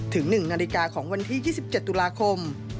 ถึง๑นาฬิกาของวันที่๒๗ตุลาคม